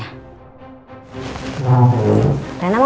bu bos kenapa lagi ya